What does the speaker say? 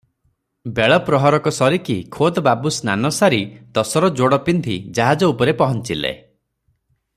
ବେଳ ପ୍ରହରକ ସରିକି ଖୋଦ ବାବୁ ସ୍ନାନସାରି ତସର ଯୋଡ଼ ପିନ୍ଧି ଜାହାଜ ଉପରେ ପହଞ୍ଚିଲେ ।